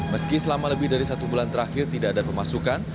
meski selama lebih dari satu bulan terakhir tidak ada pemasukan